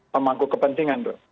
pemangku kepentingan bu